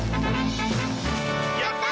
やった。